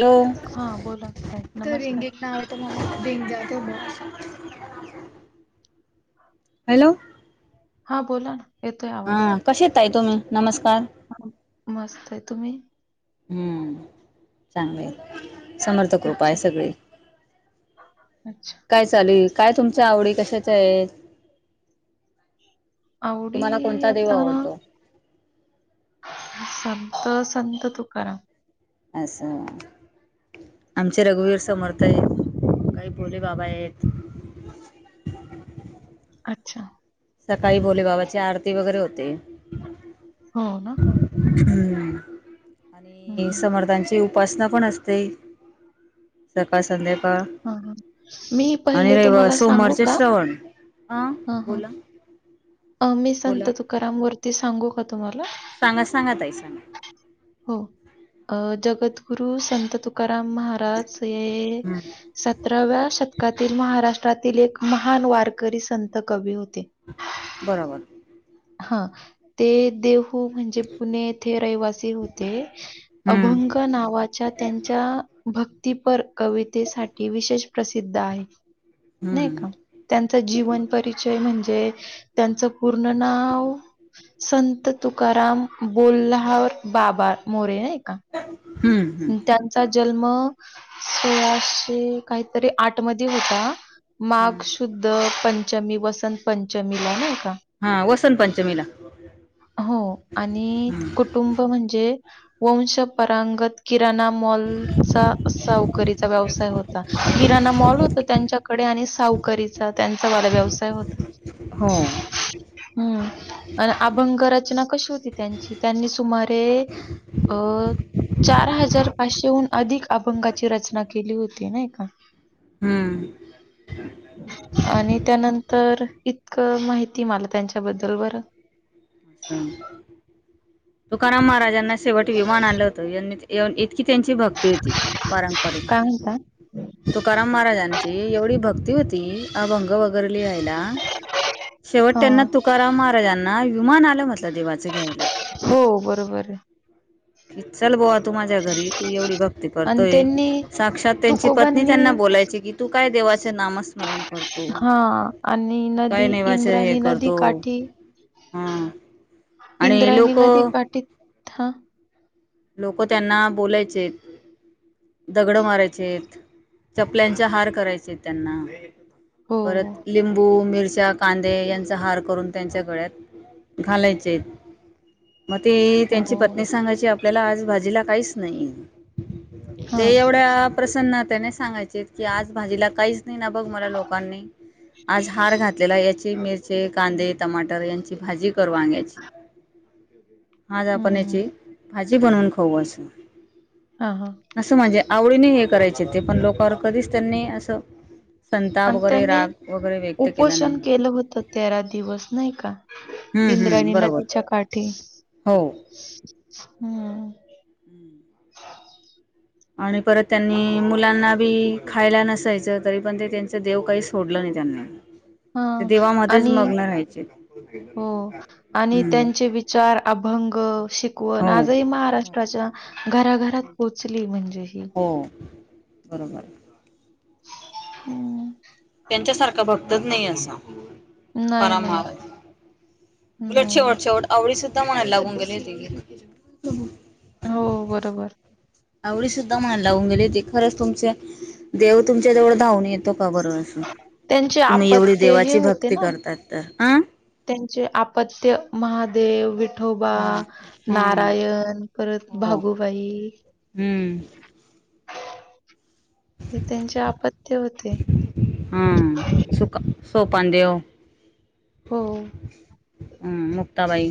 Hello हा बोला ताई तर नमस्कार रिंगेक नाव आहे तुमला रंग. हॅलो हा बोला ना. येतोय हा आवाज कशेतय ताई तुम्ही? नमस्कार. मस्त आहे तुम्ही हम्म चांगलंय - समर्थकृपा आहे अच्छा सगळी. अच्छा काय चालू ये काय तुमचा आवडी कशाच्या आहेत. आवडी तुम्हाला कोणता देव आता आवडतो. संत संत तुकाराम. अस. आमचे रघुवीर समर्थ आहेत. काही बोले बाबा आहेत. [inaudible] अच्छा. सकाळी भोलेबाबाची आरती वगैरे होते. हो ना. हम्म हम्म, आणि हम्म. समर्थांची उपासना पण असते [inaudible] सकाळ संध्या कळ हा, हा. मी आणि पहिले रविव तुम्हाला सांगू सोमवारचे का श्रवण हा हा अ मी संत बोला तुकाराम वरती सांगू का तुम्हाला, सांगा सांगा ताई सांगा हो अ जगद्गुरु संत तुका राम महाराज हे हम्म सतराव्या शतकातील महाराष्ट्रातील एक महान वारकरी संत कवी होते. बरोबर. हा ते देव खूप म्हणजे पुणे येथे रहिवासी होते हम्म अभंग नावाच्या त्यांच्या भक्तीपर कवितेसाठी विशेष प्रसिद्ध आहे. नाही हम्म का त्यांचा जीवन परिचय म्हणजे त्यांच पूर्ण नाव संत तुकाराम बोल्हार बाबा मोरे. नाही का. [unintelligible] हम्म त्यांचा जन्म सोळाशे काहीतरी आठ मध्ये होता माघ हम्म शुद्ध प पंचमी वसंत पंचमीला, नाही का. हा वसंत पंचमीला. हो आणि हम्म कुटुंब म्हणजे वंशपरांगत की किराणा मॉलचा साव सावकरीचा चा व्यवसाय होत किरना मॉल त्यांच्याकडे आणि सावकारीचा त्यांचा वाढदिवस होत हो. हम्म आणि भंगरचना कशी होती त्यांची त्यांनी सुमारे अ चार हजार पाचशेहून अधिक अभंगाची रचना केली होती ना का? हम्. आणि त्यानंतर इतकं माहिती मला त्यांच्या त्याच्याबद्दल बरं. अचा तू कारा माराज ना शेवट विमान आलं होतं इतकी त्यांची भक्ती होती पारंपरिक काय म्हणता? तुकाराम महाराजांची एवढी भक्ती. होती अभंग वगैर लिहायला शेवट त्यांना हां. तुकाराम महाराजांना विुमान आल मत हो बरोबर आहे. क चल बहत. माझ्या घरी तू एवढी भक्ती आणि त्यांनी करतोयक्ष त्यांची पत्नी त्यांना तुकोबांनी बोलाय की त काय? देवाच नामस्मरण करतो हां आणि त नदी काही नेवाच हे इंद्रायणी नदी करतो. काठी हा आणि इंद्रायणी लोक नदी पाठीत हा. लोक त्यांना बोलायचे. दगड मारायचे चपल्यांचा हार करायचे त्यांना हो, परत लिंबू मिरचा कांदे यांचा हार करून त्यांच्या गळ्यात घालायचे आहेत. मग ते हो, त्यांची पत्नी सांगायची. आपल्याला आज भाजीला काहीच नाही ते हां, एवढ्या प्रसन्नात त्या सांगायचे की आज भाजीला काहीच नाही ना बघ मला लोकांनी आज हार घातलेला या. ची मिरचे कांदे टमाटर यांची भाजी कर वग्याची आज आपण हं. याची भाजी बनवून खाऊ असं. हां, हां. असं म्हणजे आवडीने हे करायचे ते पण लोकांवर कधीच त्यांनी असं. संताप आणि वगैरे त्यांनी राग वगैरे व्यक्त केला उपोषण नाही केलं होत तेरा दिवस नाही का? हम्म हम्म इंद्राणी बरोबर नदीच्या काठी हो हम्म. आणि परत त्यांनी मुलांना ी खायला नसायचं तरी पण ते त्यांच देव काही सोडलं नाही त्यांना ते हां देवामध्येध्येच आणि मग्न राहायचे. हो आणि हम्म त्यांचे विचार अभंग शिकवण हो आजही महाराष्ट्राच्या घराघरात पोहोचली म्हणजे ह. हो बरोबर. हम्म. त्यांच्यासारखा बघतच नाही असं. त नाही, नाही, क उलट नाही. शेवट शवट आवडीच. क मनाला लागून गेले. हो बरोबर. आवडी सुद्ध मन लावून गेली ते खरंच तुमचे देव तुमच्या जवळ धावून येत. तो का बर अस त्यांचे तुम्ही एवढी अपत्य हे देवाची होते भक्ती ना. करताात तर हं. त्यांचे आपत्य महादेव वि आठोबा हा हम्म नारायण करत हो भागुबाई [inaudible] हे त्यांचे आपत्य होते. सोपन देव हो. हम् मुक्ताबाई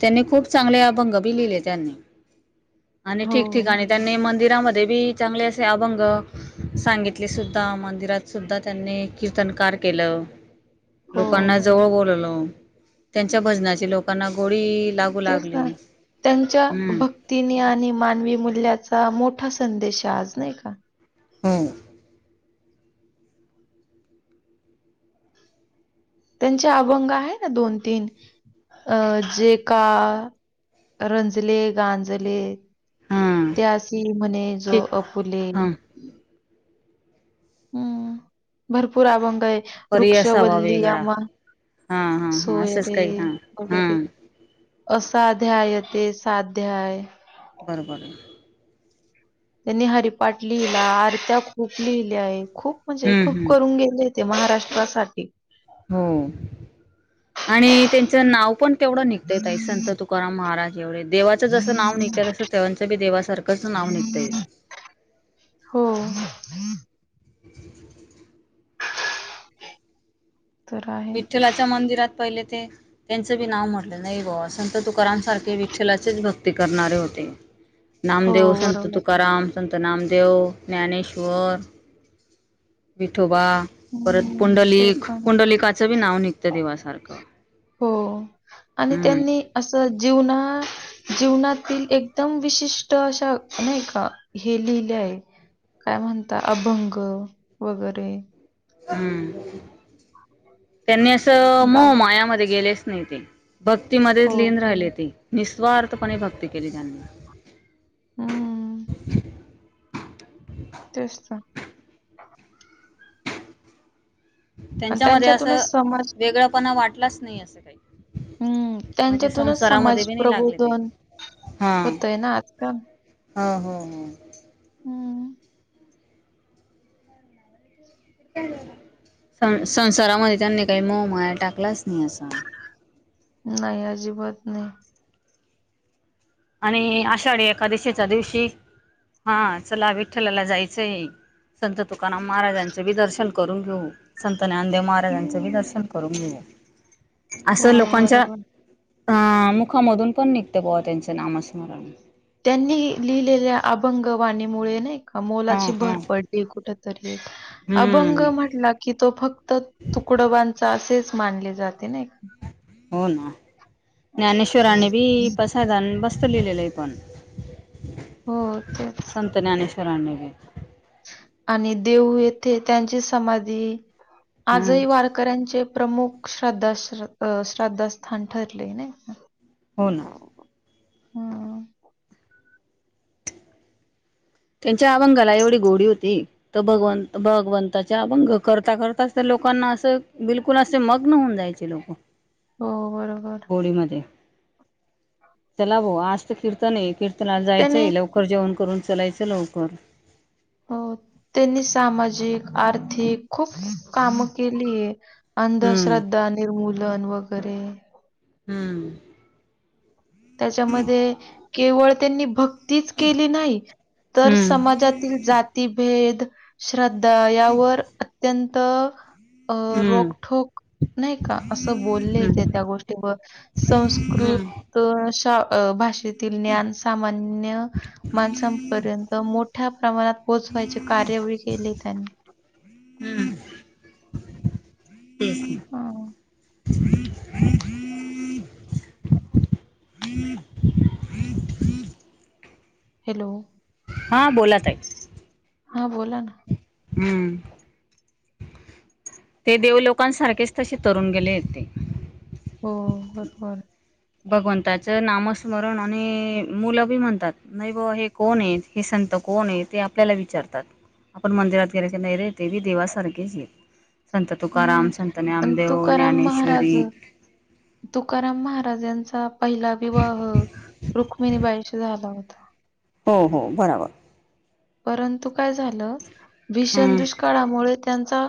त्यांनी खूप चांगले अभंग बी लिहिले त्यांनी आणि हो, ठीक ठीक आणि त्यांनी म मंदिरामध्येी चांगले असे अभंग सांगितले सुद्धा मंदिरात सुद्धा त्यांनी कीर्तन के हो लोकांना जवळ बोलल त्यांच्या भजनाची लोकांना गोडी लागू तेच ना लागली त्यांच्या हम्म भक्तीनी आणि मानवी मूल्याचा मोठा संदेश आज नाही का हम त्यांचे अभंग आहे ना दोन तीन अं जे का रंजले गांजले हां त्या्यासी म्हणे जो ठीक अपुले हां हम्म भरपूर अभंग आहे परी वृक्ष असावा वल्ली वेगळा आम हां हां हां असंच सोयरे काही हां गले हां असाध्याय येते साध्याय बरं बर त्यांनी हरिपाठ लिहिला आरत्या खूप लिहिल्या आहेत खूप म्हणजे हम्म खूप हम्म करून गेले ते महाराष्ट्रासाठी हो आणि त्यांच नाव पण तेवढं निघत तई संत तुकाराम महाराज एवढे देवाचं जसं नाव निघतय तसं तेवचं बी देवासारखंच नाव निघतय हो ‌ तर आहे विठ्ठलाच्या मंदिरात पहिले ते त्यांचं बी नाव म्हटलं नाही बा संत तु तुकारमसारखे विठ्ठलाचेच भक्ती करणारे होते हो नामदेव संत बरोबर तुकाराम संत नाम देेव ज्ञानेश्वर विठोबा परत हम्म ते पुंडलिक पण आहे. पुंडलिकाचं बी नाव निघतं देवासारखं हो आणि हम्म त्यांनी असं जीवना जीवनात एकदम विशिष्ट अशा नाही का हे लिहिले आहे काय म्हणता अभंग वगैरे हम्म त्यांनी असं म गा मायामध्ये गेलेच नाही ते हो भक्तीमध्येच िन राहिले बरोबर. ते निस्वार्थपणे भक्ती केली त्यांनी हम्म तेसत आणि त्यांच्यामध्ये असं त्यांच्यातूनच समाज वेगळंपणा वाटलाच नाही असं काही हम्म म्हणजे त्यांच्यातूनच संसारामध्ये समाज बी नाही लागले ते प्रबोधन होतय ना आजकाल हा हा हा हम्म संसारामध्ये त्यांनी काही मोमाया टाकलाच नाही असा नाही अजिबात नाही आणि आषाढी एकादशेच्या दिवशी हा चला विठ्ठलाला जायचं संत तुकाराम महाराजांच बी दर्शन करून घेऊ संत ज्ञानदेव महाराजांचंी हम्म. दर्न करून घेऊले हो असं लोकांच्या बरोबर. अ मुखामधून पण निघते पोवा त्यांच नामस्मरण त्यांनी लिहिलेल्या अभंगवाणीमुळे नाही का हा मोलाची हा भरपडली कुठ तरी अभंग हम्म म्हटला की तो फक्त तुकडबांचा असेच मानले जाते नाका हो ना ज्ञानेश्राने बी पसाधण बसत लिहिलेलं आहे पण हो ते चरानवे आणि देऊ येथे त्यांची समाधी हम्म आजही वारकऱ्यांचे प्रमुख श्रद्धा अ श्रद्धास्थान ठरले नाय का हो ना. हम्म त्यांच्या अभंगाला एवढी गोडी होती, तर भगव भगवंताचे अभंग करता करताच तर लोकांना असं बिलकुल असे मग्न होऊन जाय जायचे लोकं. हो बरोबर. चला भाव् आज तर कीर्तन आहे कीर्तनाला त्याने जायचंय लवकर जेवण करून चलायचं लवकर हो त्यांनी सामाजिक, आर्थिक खूप कामं केलीय. हम्म अंधश्रद्धा निर्मूलन वगैरे हम्म त्याच्यामध्ये केवळ त्यांनी भक् तीच केली नाही तर हम्म समाजातील जाती भेद श्रद् दा यावर अत्यंत अ हम्म रोकठोक नाही का असं बोलले ते हम्म त्या गोष्टीवर हम्म संस्कृत हम्म श अ भाषेतील ज्ञान सामान्य माणसांपर्यंत मोठ्या प्रमाणात पोहोचवायचे कार्य वी केले त्यांनी. हम्, हां. तेच ना [unintelligible] [unintelligible] हॅलो हा बोला ताई हा बोला ना हम्म ते देवलोकांसारखेच तसे तरुण गेले ते हो बरोबर भगवंताचं नामस्मरण आणि मुलं बी म्हणतात नाही बा हे कोण आहे हे संत कोण आहे ते आपल्याला विचारतात, आपण मंदिरात गेले की नाही रे तेही देवासारखेच एत. संत हम्म तुकाराम संत आणि नामदेव, तुकाराम महाराज ज्ञानेश्वरी तुकाराम महाराजांचा पहिला विवाह, रुक्मिणी बाईशी झाला होता. हो हो बराबर परंतु काय झालं, भीषण हम्म दुष्काळामुळे त्यांचा,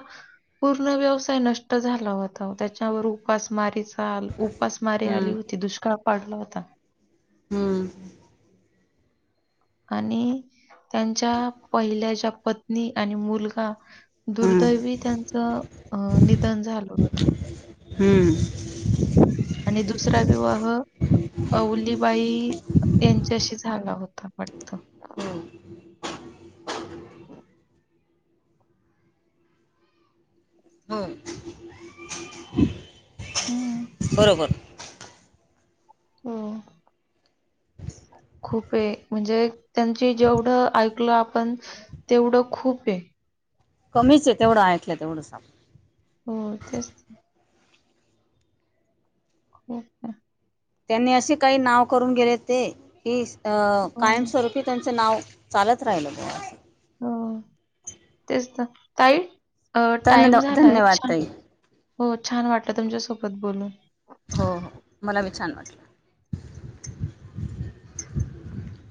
पूर्ण व्यवसाय नष्ट झाला होता त्याच्यावर उपासमारीच ल उपासमारी आली हम्म होती दुष्काळ पाडला होता. हम आणि त्यांच्या पहिल्या ज्या पत्नी आणि मुलगा हम्म दुर्दैवी त्यांचं अ निधन झालं होतं. हम्म आणि दुसरा विवाह, अवलीबाई यांच्याशी झाला होता वाटतं, हम हम, हम्म. बरोबर. हम [unintelligible] खूप आहे म्हणजे त्यांची जेवढं ऐकलं आपण, तेवढं खूप आहे. कमीच आहे तेवढं ऐकलं तेवढंच आ हो तेच हो का? त्यांनी असे काही नाव करून गेले ते की अ, कायमस्वरूपी... नाव चालत राहिल बवा असं.. हो तेच तर काही ताई टाइम धन्य झालाय धन्यवाद छान... ताई. हो छान वाटत तुमच्यासोबत बोलून... हो हो मला मी छान वाटलं...